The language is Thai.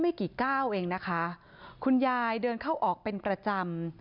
ไม่กี่ก้าวเองนะคะคุณยายเดินเข้าออกเป็นประจำ